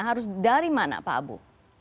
harus dari mana pak abu